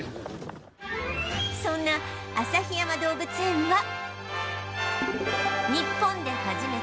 そんな旭山動物園は